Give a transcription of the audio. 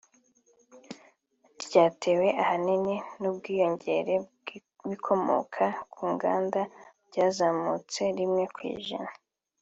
ryatewe ahanini n’ubwiyongere bw’ibikomoka ku nganda byazamutseho rimwe ku ijana